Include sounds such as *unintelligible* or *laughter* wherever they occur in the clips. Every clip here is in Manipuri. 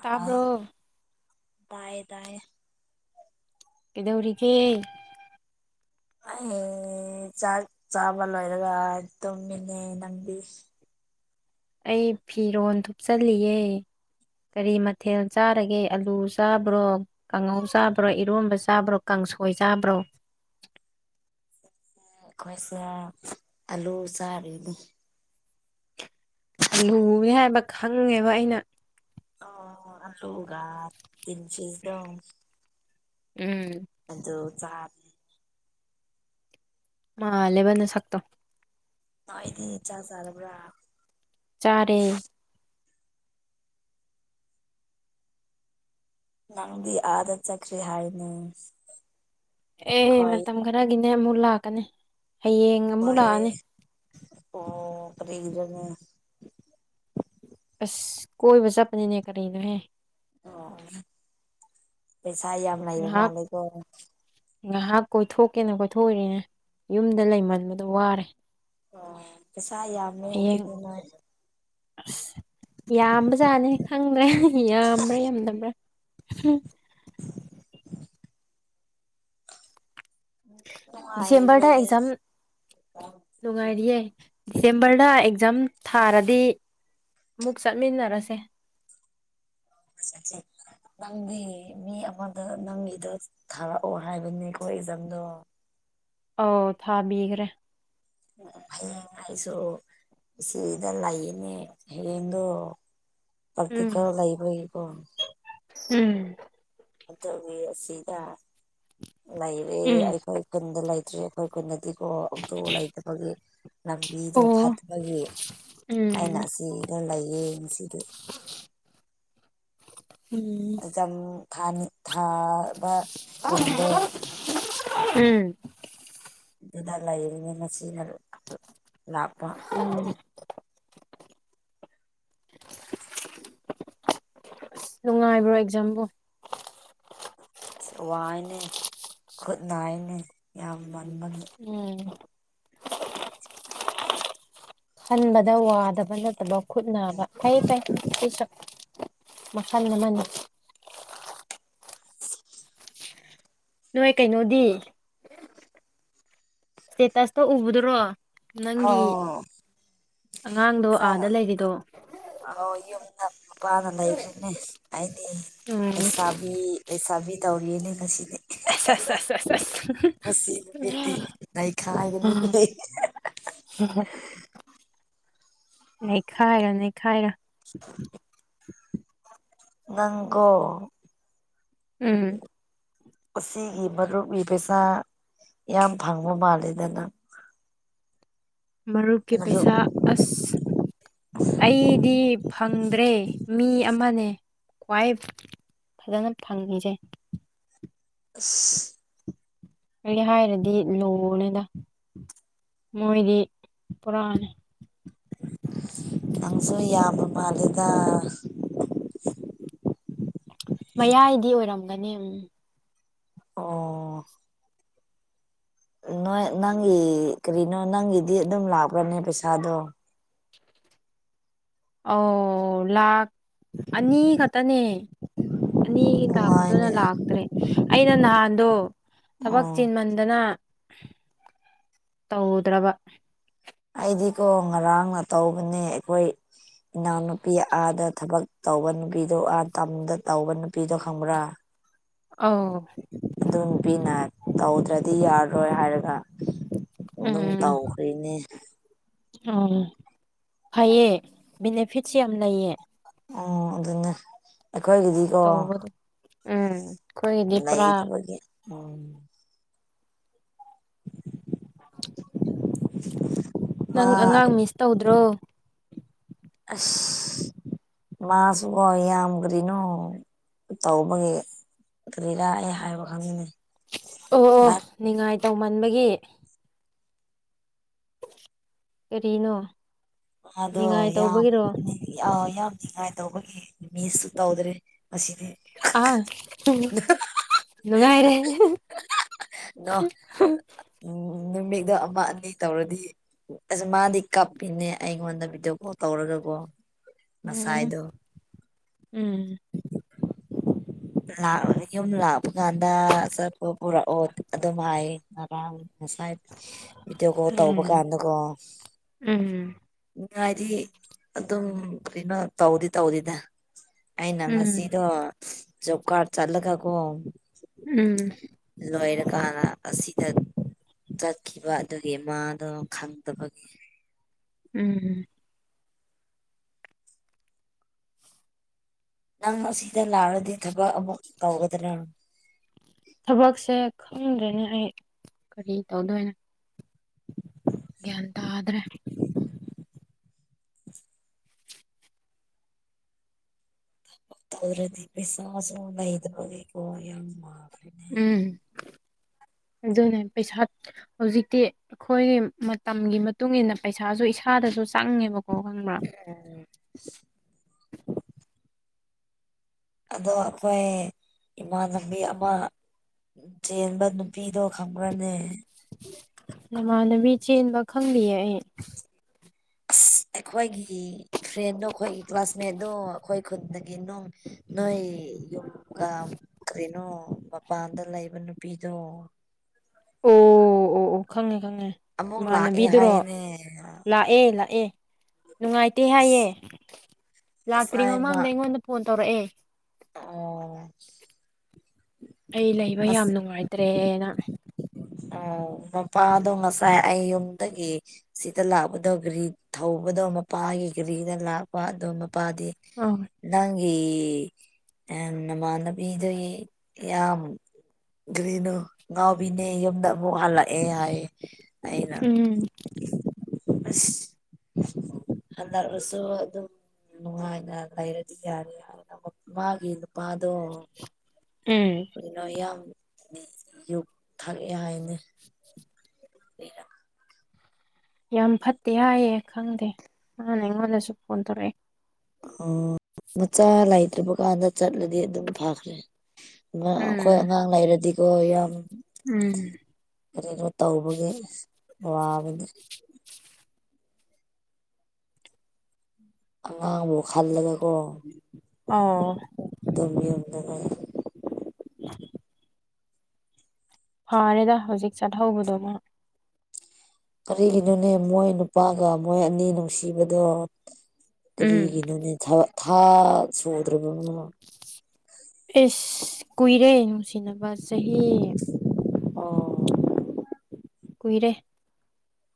ꯇꯥꯕ꯭ꯔꯣ ꯑꯧ ꯇꯌꯦ ꯇꯌꯦ ꯀꯩꯗꯧꯔꯤꯒꯦ ꯑꯩ꯬꯬꯬ꯆꯥꯛ ꯆꯥꯕ ꯂꯣꯏꯔꯒ ꯇꯨꯝꯃꯤꯟꯅꯦ ꯅꯪꯗꯤ ꯑꯩ ꯐꯤꯔꯣꯜ ꯊꯨꯞꯆꯜꯂꯤꯌꯦ ꯀꯔꯤ ꯃꯊꯦꯜ ꯆꯥꯔꯒꯦ ꯑꯂꯨ ꯆꯥꯕ꯭ꯔꯣ ꯀꯡꯍꯧ ꯆꯥꯕ꯭ꯔꯣ ꯏꯔꯣꯟꯝꯕ ꯆꯥꯕ꯭ꯔꯣ ꯀꯥꯡꯁꯣꯏ ꯆꯥꯕ꯭ꯔꯣ ꯑꯩꯈꯣꯏꯁꯦ ꯑꯂꯨ ꯆꯥꯔꯤꯅꯤ ꯑꯂꯨꯌꯦ ꯍꯥꯏꯕ ꯈꯪꯉꯦꯕ ꯑꯩꯅ ꯑꯥ ꯑꯂꯨꯒ ꯇꯤꯟꯐꯤꯁꯗꯣ ꯎꯝ ꯑꯗꯨ ꯆꯥ ꯃꯥꯜꯂꯦꯕ ꯅꯁꯛꯇꯣ ꯑꯩꯗꯤ ꯆꯥꯛ ꯆꯥꯗꯕ꯭ꯔꯥ ꯆꯥꯔꯦ ꯅꯪꯗꯤ ꯑꯥꯗ ꯆꯠꯈ꯭ꯔꯦ ꯍꯥꯏꯅꯦ ꯑꯦ ꯈꯣꯏ ꯃꯇꯝ ꯈꯔꯒꯤꯅꯦ ꯑꯃꯨꯛ ꯂꯥꯛꯀꯅꯤ ꯍꯥꯌꯦꯡ ꯍꯣꯏ ꯑꯣ ꯀꯔꯤꯒꯤꯅꯣꯅꯦ ꯑꯁ ꯀꯣꯏꯕ ꯆꯠꯄꯅꯤꯅꯦ ꯀꯔꯤꯅꯣ ꯍꯦ ꯑꯣ ꯄꯩꯁꯥ ꯌꯥꯝ ꯂꯩꯕ ꯉꯥꯏꯍꯥꯛ ꯃꯥꯂꯤꯀꯣ ꯉꯥꯏꯍꯥꯛ ꯀꯣꯏꯊꯣꯛꯀꯦꯅ ꯀꯣꯏꯊꯣꯛꯎꯔꯤꯅꯦ ꯌꯨꯝꯗ ꯂꯩꯃꯟꯗꯅ ꯋꯥꯔꯦ ꯑꯣ ꯄꯩꯁꯥ ꯌꯥꯝꯃꯦ ꯍꯌꯦꯡ ꯑꯗꯨꯗꯤ ꯅꯪ ꯌꯥꯝꯕꯖꯥꯠꯅꯦ ꯈꯪꯕ꯭ꯔꯥ ꯌꯥꯝꯕ꯭ꯔꯥ ꯌꯥꯝꯗꯕ꯭ꯔꯥ ꯎꯝ ꯗꯤꯁꯦꯝꯕꯔꯗ ꯅꯨꯡꯉꯥꯏꯔꯤꯕ꯭ꯔꯥꯅꯦ ꯑꯦꯛꯖꯥꯝ ꯅꯨꯡꯉꯥꯏꯔꯤꯌꯦ ꯗꯤꯁꯦꯝꯕ꯭ꯔꯗ ꯑꯦꯛꯖꯥꯝ ꯊꯥꯔꯗꯤ ꯑꯃꯨꯛ ꯆꯠꯃꯤꯟꯅꯔꯁꯦ *inaudible* ꯅꯪꯗꯤ ꯃꯤ ꯑꯃꯗ ꯅꯪꯒꯤꯗ ꯊꯥꯔꯛꯑꯣ ꯍꯥꯏꯕꯅꯤꯀꯣ ꯑꯦꯛꯖꯥꯝꯗꯣ ꯑꯧ ꯊꯥꯕꯤꯒ꯭ꯔꯦ ꯍꯌꯦꯡ ꯑꯥꯏꯁꯨ ꯁꯤꯗ ꯂꯩꯌꯦꯅꯦ ꯍꯌꯦꯡꯗꯣ ꯎꯝ ꯄ꯭ꯔꯛꯇꯤꯀꯦꯜ ꯂꯩꯕꯒꯤꯀꯣ ꯎꯝ ꯑꯗꯨꯒꯤ ꯑꯁꯤꯗ ꯂꯩꯔꯦ ꯎꯝ ꯑꯩꯈꯣꯏ ꯈꯨꯟꯗ ꯂꯩꯇ꯭ꯔꯤ ꯑꯩꯈꯣꯏ ꯈꯨꯟꯗꯗꯤ ꯑꯣ ꯑꯣꯛꯇꯣ ꯂꯩꯇꯕꯒꯤ ꯂꯝꯕꯤꯗꯣ ꯑꯣ ꯐꯠꯇꯕꯒꯤ ꯎꯝ ꯑꯩꯅ ꯑꯁꯤꯗ ꯂꯩꯌꯦ ꯉꯁꯤꯗꯤ ꯎꯝ ꯑꯦꯛꯖꯝ ꯊꯥꯅꯤ ꯊꯥꯕ ꯈꯨꯟꯗꯣ *unintelligible* ꯎꯝ ꯑꯗꯨꯗ ꯂꯩꯕꯅꯤ ꯉꯁꯤꯅ ꯂꯥꯛꯄ ꯎꯝ ꯅꯨꯡꯉꯥꯏꯕ꯭ꯔꯣ ꯑꯦꯛꯖꯥꯝꯕꯨ ꯋꯥꯏꯅꯦ ꯈꯨꯠ ꯅꯥꯏꯅꯦ ꯌꯥꯝ ꯃꯟꯕ ꯎꯝ ꯍꯟꯕꯗ ꯋꯥꯗꯕ ꯅꯠꯇꯕ ꯈꯨꯠ ꯅꯥꯕ ꯐꯩ ꯐꯩ ꯑꯩꯁꯨ ꯃꯈꯜ ꯑꯃꯅꯤ ꯅꯣꯏ ꯀꯩꯅꯣꯗꯤ ꯏꯁꯇꯦꯇꯁꯇ ꯎꯕꯗꯨꯔꯣ ꯑꯧ ꯗꯣ ꯑꯥꯗ ꯂꯩꯔꯤꯗꯣ ꯑ ꯌꯨꯝꯗ ꯃꯄꯥꯒ ꯂꯩꯈ꯭ꯔꯤꯝꯅꯦ ꯑꯥꯏꯗꯤ ꯎꯝ ꯂꯩꯁꯥꯕꯤ ꯂꯩꯁꯥꯕꯤ ꯇꯧꯔꯤꯌꯦꯅꯦ ꯉꯁꯤꯗꯤ ꯑꯁ ꯑꯁ ꯑꯁ ꯑꯁ ꯉꯁꯤ ꯅꯨꯃꯤꯠꯇꯤ ꯑꯁ ꯅꯩꯈꯥꯏꯒꯅꯤ *unintelligible* *unintelligible* ꯅꯩꯈꯥꯏꯔꯣ ꯅꯩꯈꯥꯏꯔꯣ *unintelligible* ꯅꯪꯪꯀꯣ ꯎꯝ ꯑꯁꯤꯒꯤ ꯃꯔꯨꯞꯀꯤ ꯄꯩꯁꯥ ꯌꯥꯝ ꯐꯪꯕ ꯃꯥꯂꯦꯗ ꯅꯪ ꯃꯔꯨꯞꯀꯤ ꯃꯔꯨꯞ ꯄꯩꯁꯥ ꯑꯁ ꯑꯩꯗꯤ ꯐꯪꯗ꯭ꯔꯦ ꯃꯤ ꯑꯃꯅꯦ ꯈ꯭ꯋꯥꯏ ꯐꯖꯅ ꯐꯪꯉꯤꯁꯦ ꯑꯁ ꯀꯩ ꯍꯥꯏꯔꯗꯤ ꯂꯣꯅꯦꯗ ꯃꯣꯏꯗꯤ ꯄꯨꯔꯥꯅꯦ ꯅꯪꯁꯨ ꯌꯥꯝꯕ ꯃꯥꯥꯂꯦꯗ ꯃꯌꯥꯏꯗꯤ ꯑꯣꯏꯔꯝꯒꯅꯤꯝ ꯑꯣ ꯅꯣꯏ ꯅꯪꯒꯤ ꯀꯔꯤꯅꯣ ꯅꯪꯒꯤꯗꯤ ꯑꯗꯨꯝ ꯂꯥꯛꯄ꯭ꯔꯅꯦ ꯄꯩꯁꯥꯗꯣ ꯑꯣ ꯂꯥꯈ ꯑꯅꯤ ꯈꯛꯇꯅꯦ ꯑꯅꯤ ꯂꯥꯛꯄꯗꯨꯅ ꯅꯨꯡꯉꯥꯏꯅꯦ ꯂꯥꯛꯇ꯭ꯔꯦ ꯑꯩꯅ ꯅꯍꯥꯟꯗꯣ ꯊꯕꯛ ꯑꯣ ꯆꯤꯟꯃꯟꯗꯅ ꯇꯧꯗ꯭ꯔꯕ ꯑꯩꯗꯤꯀꯣ ꯉꯔꯥꯡꯅ ꯇꯧꯕꯅꯦ ꯑꯩꯈꯣꯏ ꯏꯅꯥꯎꯅꯨꯄꯤ ꯑꯥꯗ ꯊꯕꯛ ꯇꯧꯕ ꯅꯨꯄꯤꯗꯣ ꯑ ꯇꯝꯗ ꯇꯧꯕ ꯅꯨꯄꯤꯗꯣ ꯈꯪꯕ꯭ꯔꯥ ꯑꯧ ꯑꯗꯨ ꯅꯨꯄꯤꯅ ꯇꯧꯗ꯭ꯔꯗꯤ ꯌꯥꯔꯔꯣꯏ ꯍꯥꯏꯔꯒ ꯑꯗꯨꯝ ꯎꯝ ꯇꯧꯈ꯭ꯔꯤꯅꯦ ꯎꯝ ꯐꯩꯌꯦ ꯕꯤꯅꯤꯐꯤꯠꯁ ꯌꯥꯝ ꯂꯩꯌꯦ ꯑꯣ ꯑꯗꯨꯅꯦ ꯑꯩꯈꯣꯏꯒꯤꯗꯤ ꯇꯧꯕꯗ ꯎꯝ ꯑꯈꯣꯏꯒꯤꯗꯤ ꯄꯨꯔꯥ ꯂꯩꯇꯕꯒꯤ ꯎꯝ *unintelligible* ꯅꯪ ꯑꯉꯥꯡ ꯃꯤꯁ ꯇꯧꯗ꯭ꯔꯣ ꯑꯁ ꯃꯥꯁꯨꯀꯣ ꯌꯥꯝ ꯀꯔꯤꯅꯣ ꯇꯧꯕꯒꯤ ꯑꯗꯨꯒꯤꯔꯥ ꯑꯩ ꯍꯥꯏꯕ ꯈꯪꯉꯅꯤ ꯑꯣ ꯅꯤꯡꯅꯤꯉꯥꯏ ꯇꯧꯃꯟꯕꯒꯤ ꯀꯔꯤꯅꯣ ꯃꯥꯗꯣ ꯅꯤꯡꯉꯥꯏ ꯌꯥꯝ ꯇꯧꯕꯒꯤꯔꯣ ꯌꯥꯝ ꯅꯤꯉꯥꯏ ꯇꯧꯕꯒꯤ ꯃꯤꯁꯁꯨ ꯇꯧꯗ꯭ꯔꯦ ꯑꯁꯤꯗꯤ ꯑ ꯅꯨꯡ ꯅꯨꯡꯉꯥꯏꯔꯦ ꯅꯣ ꯎꯝ ꯅꯨꯃꯤꯗ ꯑꯃ ꯑꯅꯤ ꯇꯧꯔꯗꯤ ꯑꯁ ꯃꯥꯗꯤ ꯀꯞꯄꯤꯅꯦ ꯑꯩꯉꯣꯟꯗ ꯚꯤꯗ꯭ꯌꯣ ꯀꯣꯜ ꯇꯧꯔꯒꯀꯣ ꯎ ꯉꯁꯥꯏꯗꯣ ꯎꯝ ꯂꯥꯛ ꯌꯨꯝ ꯂꯥꯛꯄ ꯀꯥꯟꯗ ꯆꯠꯄ ꯄꯨꯔꯛꯑꯣ ꯑꯗꯨꯝ ꯍꯥꯏꯌꯦ ꯉꯔꯥꯡ ꯉꯁꯥꯏ ꯚꯤꯗ꯭ꯌꯣ ꯀꯣꯜ ꯇꯧꯕ ꯎꯝ ꯀꯥꯟꯗꯀꯣ ꯎꯝ ꯅꯤꯉꯥꯏꯗꯤ ꯑꯗꯨꯝ ꯀꯔꯤꯅꯣ ꯇꯧꯗꯤ ꯇꯧꯗꯤꯗ ꯑꯩꯅ ꯉꯁꯤꯗꯣ ꯖꯣꯕ ꯀꯥꯔꯠ ꯆꯠꯂꯒꯀꯣ ꯎꯝ ꯂꯣꯏꯔꯀꯥꯟꯅ ꯑꯁꯤꯗ ꯆꯠꯈꯤꯕ ꯑꯗꯨꯒꯤ ꯃꯥꯗꯣ ꯈꯪꯗꯕꯒꯤ ꯎꯝ ꯅꯪ ꯁꯤꯗ ꯂꯥꯛꯔꯗꯤ ꯊꯕꯛ ꯑꯃꯨꯛ ꯇꯧꯒꯗ꯭ꯔꯥ ꯊꯕꯛꯁꯦ ꯈꯪꯗꯦꯅꯦ ꯑꯩ ꯀꯔꯤ ꯇꯧꯗꯣꯏꯅꯣ ꯒꯌꯥꯟ ꯇꯥꯗ꯭ꯔꯦ ꯊꯣꯏꯔꯗꯤ ꯄꯩꯁꯥꯁꯨ ꯃꯨꯛ ꯂꯩꯇꯕꯒꯤꯀꯣ ꯌꯥꯝ ꯋꯥꯕꯅꯤ ꯎꯝ ꯑꯗꯨꯅꯦ ꯄꯩꯁꯥ ꯍꯧꯖꯤꯛꯇꯤ ꯑꯈꯣꯏꯒꯤ ꯃꯇꯝꯒꯤ ꯃꯇꯨꯡꯏꯟꯅ ꯄꯩꯁꯥꯁꯨ ꯏꯁꯥꯗꯁꯨ ꯆꯪꯉꯦꯕꯀꯣ ꯎꯝ ꯑꯗꯣ ꯑꯈꯣꯏ ꯏꯃꯥꯟꯅꯕꯤ ꯑꯃ ꯆꯦꯟꯕ ꯅꯨ ꯄꯤꯗꯣ ꯈꯪꯕ꯭ꯔꯅꯦ ꯅꯃꯥꯟꯅꯕꯤ ꯆꯦꯟꯕ ꯈꯪꯗꯤꯌꯦ ꯑꯩ ꯑꯁ ꯑꯩꯈꯣꯏꯒꯤ ꯐ꯭ꯔꯦꯟꯗꯣ ꯑꯈꯣꯏꯒꯤ ꯀ꯭ꯂꯥꯁꯃꯦꯠꯗꯣ ꯑꯩꯈꯣꯏ ꯈꯨꯟꯗ꯭ꯒꯤ ꯅꯣꯡ ꯅꯣꯏ ꯌꯨꯝꯒ ꯀꯔꯤꯅꯣ ꯃꯄꯥꯟꯗ ꯂꯩꯕ ꯅꯨꯄꯤꯗꯣ ꯑꯣ ꯑꯣ ꯑꯣ ꯈꯪꯉꯦ ꯈꯪꯉꯦ ꯑꯃꯨꯛ ꯂꯥꯛꯑꯦ ꯍꯥꯏꯅꯦ ꯑꯦ ꯂꯥꯛꯑꯦ ꯅꯨꯡꯉꯥꯏꯇꯦ ꯍꯥꯏꯌꯦ ꯂꯥꯛꯇ꯭ꯔꯤ ꯉꯁꯥꯏ ꯃꯥ ꯃꯃꯥꯡꯗ ꯑꯩꯉꯣꯟꯗ ꯐꯣꯟ ꯇꯧꯔꯛꯑꯦ ꯑꯣ ꯑꯩ ꯂꯩꯕ ꯌꯥꯝ ꯑꯁ ꯅꯨꯡꯉꯥꯏ ꯇ꯭ꯔꯦꯅ ꯑꯣ ꯃꯄꯥꯗꯣ ꯉꯁꯥꯏ ꯑꯩꯌꯨꯝꯗꯒꯤ ꯁꯤꯗ ꯂꯥꯛꯄꯗꯣ ꯒ꯭ꯔꯤ ꯊꯧꯕꯗꯣ ꯃꯄꯥꯒꯤ ꯒ꯭ꯔꯤꯗ ꯂꯥꯛꯄ ꯑꯗꯣ ꯃꯄꯥꯗꯤ ꯑꯣ ꯅꯪꯒꯤ ꯑꯦꯟ ꯅꯃꯥꯟꯅꯕꯤꯗꯨꯏ ꯌꯥꯝ ꯀ꯭ꯔꯤꯅꯣ ꯉꯥꯎꯕꯤꯅꯦ ꯌꯨꯝꯗ ꯑꯃꯨꯛ ꯍꯜꯂꯛꯑꯦ ꯍꯥꯏ ꯑꯩꯅ ꯎꯝ ꯑꯁ ꯍꯟꯗꯛꯔꯁꯨ ꯑꯗꯨꯝ ꯅꯨꯡꯉꯥꯏꯅ ꯂꯩꯔꯗꯤ ꯌꯥꯔꯦ ꯍꯥꯏ ꯃꯥꯒꯤ ꯅꯨꯄꯥꯗꯣ ꯎꯝ ꯀꯔꯤꯅꯣ ꯌꯥꯝ ꯌꯨ ꯊꯛꯑꯦ ꯍꯥꯏꯅꯦ *unintelligible* ꯌꯥꯝ ꯐꯠꯇꯦ ꯍꯥꯏꯌꯦ ꯈꯪꯗꯦ ꯃꯥꯅ ꯑꯩꯉꯣꯟꯗꯁꯨ ꯐꯣꯟ ꯇꯧꯔꯑꯦ ꯎꯝ ꯃꯆꯥ ꯂꯩꯇ꯭ꯔꯕ ꯀꯥꯟꯗ ꯆꯠꯂꯗꯤ ꯑꯗꯨꯝ ꯐꯈ꯭ꯔꯦ ꯃꯥ ꯑꯈꯣꯏ ꯎꯝ ꯑꯉꯥꯡ ꯂꯩꯔꯗꯤꯀꯣ ꯌꯥꯝ ꯎꯝ ꯀꯔꯤꯅꯣ ꯇꯧꯕꯒꯤ ꯋꯥꯕꯅꯦ ꯑꯉꯥꯡꯕꯨ ꯈꯜꯂꯒꯀꯣ ꯑꯥꯎ ꯗꯨꯝ ꯌꯨꯝꯗ ꯂꯩ *inaudible* ꯐꯥꯔꯦꯗ ꯍꯧꯖꯤꯛ ꯆꯠꯍꯧꯕꯗꯣ ꯃꯥ ꯀꯔꯤꯒꯤꯅꯣꯅꯦ ꯃꯣꯏ ꯅꯨꯄꯥꯒ ꯃꯣꯏ ꯑꯅꯤ ꯅꯨꯡꯁꯤꯕꯗꯣ ꯎꯝ ꯀꯔꯤꯒꯤꯅꯣꯅꯦ ꯊ ꯊꯥ ꯁꯨꯗ꯭ꯔꯕꯅꯣ ꯏꯁ ꯀꯨꯏꯔꯦ ꯅꯨꯡꯁꯤꯅꯕ ꯆꯍꯤ ꯑꯣ ꯀꯨꯏꯔꯦ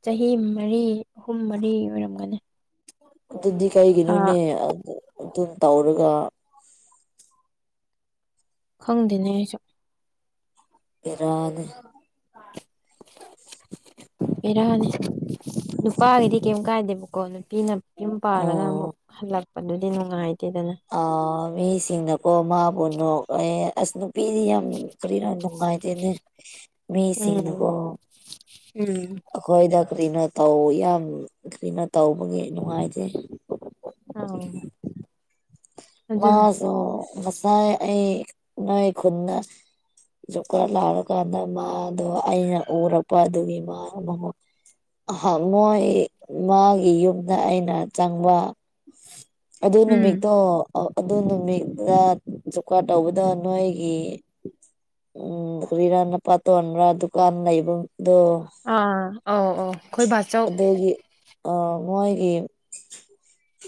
ꯆꯍꯤ ꯃꯔꯤ ꯑꯍꯨꯝ ꯃꯔꯤ ꯑꯣꯏꯔꯝꯒꯅꯤ ꯑꯗꯨꯗꯤ ꯊꯥ ꯀꯩꯒꯤꯅꯣꯅꯦ ꯑꯥ ꯑꯗꯨꯝ ꯇꯧꯔꯒ ꯈꯪꯗꯦꯅꯦ ꯑꯩꯁꯨ ꯕꯦꯔꯥꯅꯦ ꯕꯦꯔꯥꯅꯤ ꯅꯨꯄꯥꯒꯤꯗꯤ ꯀꯦꯝ ꯀꯥꯏꯗꯦꯕꯀꯣ ꯅꯨꯄꯤꯅ ꯌꯨꯝ ꯄꯥꯜꯂꯒ ꯑꯃꯨꯛ ꯑꯣ ꯍꯜꯂꯛꯄꯗꯨꯗꯤ ꯅꯨꯡꯉꯥꯏꯇꯦꯗꯅ ꯑꯥ ꯃꯤꯁꯤꯡꯅꯀꯣ ꯃꯥꯕꯨ ꯅꯣꯛꯑꯦ ꯑꯁ ꯅꯨ ꯄꯤꯗꯤ ꯌꯥꯝ ꯀꯔꯤꯔ ꯅꯨꯡꯉꯥꯏꯇꯦꯅꯦ ꯎꯝ ꯃꯤꯁꯤꯡꯅꯀꯣ ꯎꯝ ꯑꯈꯣꯏꯗ ꯀꯔꯤꯅꯣ ꯇꯧ ꯌꯥꯝ ꯀꯔꯤꯅꯣ ꯇꯧꯕꯒꯤ ꯅꯨꯡꯉꯥꯏꯇꯦ ꯑꯥꯎ ꯑꯗꯨꯅꯦ ꯃꯥꯖꯨ ꯉꯁꯥꯏ ꯑꯩ ꯅꯣꯏ ꯈꯨꯟꯗ ꯖꯣꯕꯀꯥꯔꯠ ꯂꯥꯛꯔꯀꯥꯟꯗ ꯃꯥꯗꯣ ꯑꯩꯅ ꯎꯔꯛꯄ ꯑꯗꯨꯒꯤ ꯃꯥ ꯃꯉꯣꯟ ꯑꯍꯥ ꯃꯣꯏ ꯃꯥꯒꯤ ꯌꯨꯝꯗ ꯑꯩꯅ ꯆꯪꯕ ꯑꯗꯨ ꯎꯝ ꯅꯨꯃꯤꯠꯇꯣ ꯑꯧ ꯑꯗꯨ ꯅꯨꯃꯤꯠꯗ ꯖꯣꯕꯀꯥꯔꯠ ꯇꯧꯕꯗꯣ ꯅꯣꯏꯒꯤ ꯎꯝ ꯀꯔꯤꯔꯥ ꯅꯄꯥ ꯇꯣꯟꯔ ꯗꯨꯀꯥꯟ ꯂꯩꯕ ꯗꯨ ꯑꯥ ꯑꯧ ꯑꯧ ꯕꯥꯆꯧ ꯑꯗꯨꯒꯤ ꯑꯥ ꯃꯣꯏꯒꯤ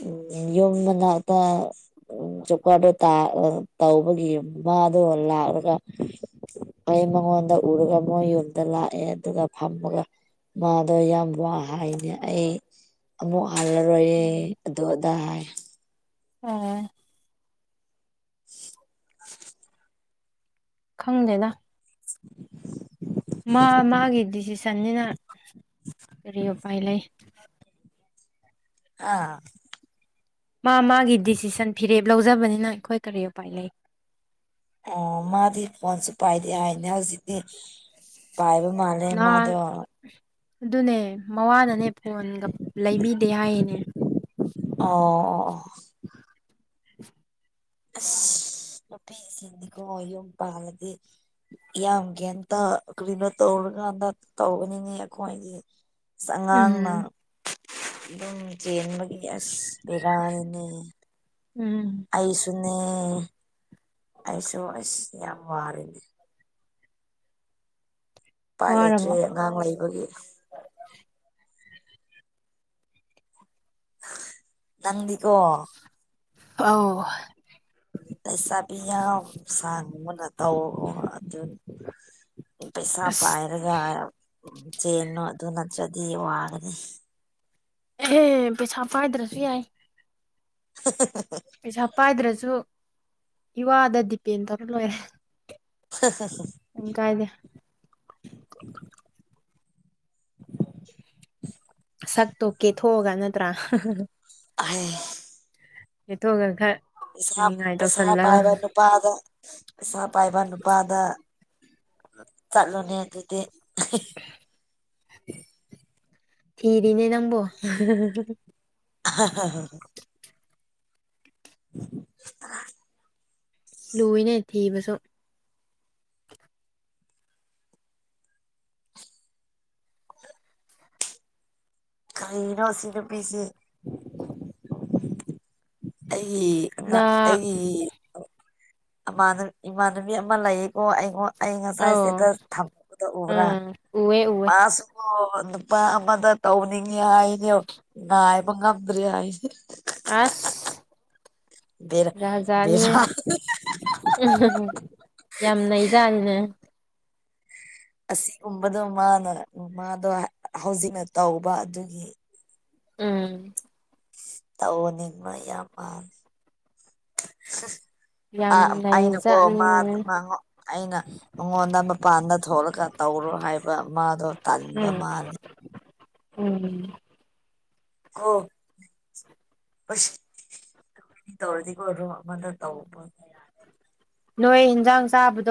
ꯎꯝ ꯌꯨꯝ ꯃꯅꯥꯛꯇ ꯎꯝ ꯖꯣꯞꯀꯥꯗꯣ ꯇꯥ ꯑꯥ ꯇꯧꯕꯒꯤ ꯃꯥꯗꯣ ꯂꯥꯛꯔꯒ ꯑꯩ ꯃꯉꯣꯟꯗ ꯎꯔꯒ ꯃꯣꯏ ꯌꯨꯝꯗ ꯂꯥꯛꯑꯦ ꯑꯗꯨꯒ ꯐꯝꯃꯒ ꯃꯥꯗꯣ ꯌꯥꯝ ꯋꯥ ꯍꯥꯏꯅꯦ ꯑꯩ ꯑꯃꯨꯛ ꯍꯜꯂꯔꯣꯏꯌꯦ ꯑꯗꯨ ꯑꯗꯥ ꯍꯥꯏ ꯑꯥ *unintelligible* ꯈꯪꯗꯦꯅ *inaudible* ꯃꯥ ꯃꯥꯒꯤ ꯗꯤꯁꯤꯁꯟꯅꯤꯅ ꯀꯔꯤ ꯎꯄꯥꯏ ꯂꯩ ꯑꯥ ꯃꯥ ꯃꯥꯒꯤ ꯗꯤꯁꯤꯁꯟ ꯐꯤꯔꯦꯞ ꯂꯧꯖꯕꯅꯤꯅ ꯑꯩꯈꯣꯏ ꯀꯔꯤ ꯎꯄꯥꯏ ꯂꯩ ꯑꯣ ꯃꯥꯗꯤ ꯐꯣꯟꯁꯨ ꯄꯥꯏꯗꯦ ꯍꯥꯏꯅꯦ ꯍꯧꯖꯤꯛꯇꯤ ꯄꯥꯏꯕ ꯃꯥꯜ ꯅꯥꯟ ꯑꯗꯨꯅꯦ ꯃꯋꯥꯅꯅꯦ ꯐꯣꯟꯒ ꯂꯩꯕꯤꯗꯦ ꯍꯥꯏꯌꯦꯅꯦ ꯑꯧ ꯑꯣ ꯑꯣ ꯑꯁ ꯅꯨꯄꯤ ꯖꯤꯗꯤꯀꯣ ꯌꯨꯝ ꯄꯥꯜꯂꯗꯤ ꯌꯥꯝ ꯒ꯭ꯌꯥꯟ ꯇꯥ ꯀꯔꯤꯅꯣ ꯇꯧꯔꯀꯥꯟꯗ ꯇꯧꯕꯅꯤꯅꯦ ꯑꯈꯣꯏꯒꯤ ꯑꯁ ꯑꯉꯥꯡꯅ ꯎꯝ ꯗꯨꯝ ꯆꯦꯟꯕꯒꯤ ꯑꯁ ꯕꯦꯔꯥꯅꯤꯅꯦ ꯎꯝ ꯑꯩꯁꯨꯅꯦ ꯑꯩꯁꯨ ꯑꯁ ꯌꯥꯝ ꯋꯥꯔꯦꯅꯦ ꯄꯥꯏ ꯂꯩꯇ꯭ꯔꯦ ꯋꯥꯔꯕꯣ ꯑꯉꯥꯡ ꯂꯩꯕꯒꯤ ꯅꯪꯗꯤꯀꯣ ꯑꯧ ꯂꯩꯁꯥꯕꯤ ꯌꯥꯝ ꯁꯥꯅꯤꯡꯕꯅ ꯇꯧ ꯑꯗꯨ ꯄꯩꯁꯥ ꯑꯁ ꯄꯥꯏꯔꯒ ꯆꯦꯟꯅꯣ ꯑꯗꯨ ꯅꯠꯇ꯭ꯔꯗꯤ ꯋꯥꯒꯅꯤ ꯑꯦꯍꯦ ꯄꯩꯁꯥ ꯄꯥꯏꯗ꯭ꯔꯁꯨ ꯌꯥꯏ *unintelligible* ꯄꯩꯁꯥ ꯄꯥꯏꯗ꯭ꯔꯁꯨ ꯏꯋꯥꯗ ꯗꯤꯄꯦꯟ ꯇꯧꯔ ꯂꯣꯏꯔꯦ *unintelligible* ꯎꯝ ꯀꯥꯏꯗꯦ *inaudible* ꯁꯛꯇꯣ ꯀꯦꯊꯣꯛꯑꯒ ꯅꯠꯇ꯭ꯔꯥ *unintelligible* ꯑꯍꯦ ꯂꯤꯇꯣꯒ ꯈꯔꯥ ꯄꯩꯁꯥ ꯄꯩꯁꯥ ꯄꯥꯏꯕ ꯅꯨꯄꯥꯗ ꯄꯩꯁꯥ ꯄꯥꯏꯕ ꯅꯨꯄꯥꯗ ꯆꯠꯂꯣꯅꯦ ꯑꯗꯨꯗꯤ ꯑꯍꯦ ꯊꯤꯔꯤꯅꯦ ꯅꯪꯕꯣ *unintelligible* *unintelligible* *unintelligible* ꯂꯨꯢꯅꯦ ꯊꯤꯕꯁꯨ ꯀꯔꯤꯅꯣ ꯑꯁꯤ ꯅꯨꯄꯤꯁꯤ ꯑꯩ ꯑꯉꯥ ꯅ ꯑꯩ ꯑꯃꯅ ꯏꯃꯥꯟꯅꯕꯤ ꯑꯃ ꯂꯩꯌꯦꯀꯣ ꯑꯩꯉꯣꯟ ꯑꯩ ꯉꯁꯥꯏ ꯑꯧ ꯁ꯭ꯇꯦꯇꯁ ꯊꯝꯕꯗꯣ ꯎꯕ꯭ꯔꯥ ꯎꯝ ꯎꯋꯦ ꯎꯋꯦ ꯃꯥꯁꯨ ꯑꯣ ꯅꯨꯄꯥ ꯑꯃꯗ ꯇꯧꯅꯤꯡꯉꯦ ꯍꯥꯏꯌꯦꯅꯦ ꯅꯥꯢꯕ ꯉꯝꯗ꯭ꯔꯦ ꯍꯥꯢ *unintelligible* ꯑꯥꯁ ꯕꯦꯔ ꯕꯦꯔꯥꯅꯤ *unintelligible* *unintelligible* ꯌꯥꯝ ꯅꯩꯖꯥꯠꯅꯤꯅꯦ ꯑꯁꯤꯒꯨꯝꯕꯗꯣ ꯃꯥꯅ ꯃꯥꯗꯣ ꯍꯧꯖꯤꯛꯅ ꯇꯧꯕ ꯑꯗꯨꯒꯤ ꯎꯝ ꯇꯧꯕꯅꯤ ꯃꯥ ꯌꯥꯝ *unintelligible* ꯌꯥꯝ ꯑꯥ ꯑꯩꯅꯀꯣ ꯃꯥ ꯅꯩꯖꯥꯠꯅꯤꯅꯦ ꯃꯥꯉꯣꯟ ꯑꯩꯅ ꯃꯉꯣꯟꯗ ꯃꯄꯥꯟꯗ ꯊꯣꯛꯂꯀꯥꯟ ꯇꯧꯔꯣ ꯍꯥꯏꯕ ꯃꯥꯗꯣ ꯇꯟꯕ ꯃꯥꯜꯂꯦ ꯎꯝ *unintelligible* ꯎꯝ *unintelligible* *unintelligible* ꯇꯧꯔꯗꯤꯀꯣꯔꯣ ꯑꯃꯗ ꯇꯧꯕ ꯅꯣꯏ ꯍꯤꯟꯖꯥꯡ ꯆꯥꯕꯗꯣ